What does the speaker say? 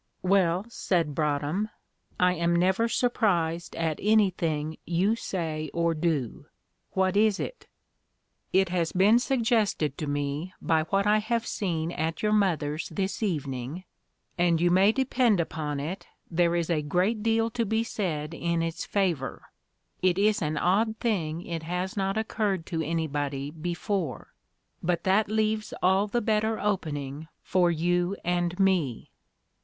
"Well," said Broadhem, "I am never surprised at anything you say or do; what is it?" "It has been suggested to me by what I have seen at your mother's this evening and you may depend upon it there is a great deal to be said in its favour; it is an odd thing it has not occurred to anybody before, but that leaves all the better opening for you and me."